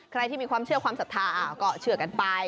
ใครที่มีความเชื่อความศรัทธาก็เชื่อกันไป